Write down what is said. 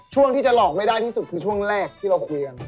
ช่วงที่จะหลอกไม่ได้ที่สุดคือช่วงแรกที่เราคุยกัน